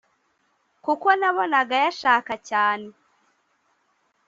kuko nabonaga ayashaka cyane